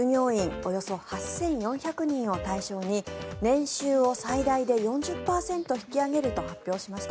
およそ８４００人を対象に年収を最大で４０％引き上げると発表しました。